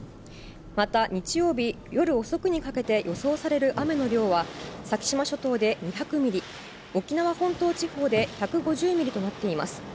また、日曜日夜遅くにかけて予想される雨の量は、先島諸島で２００ミリ、沖縄本島地方で１５０ミリとなっています。